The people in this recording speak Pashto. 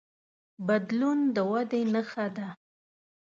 بدلون د ودې نښه ده.